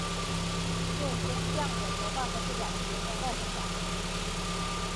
肉身像的头发和指甲至今仍在生长。